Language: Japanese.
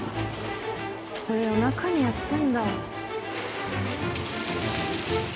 これ夜中にやってんだ。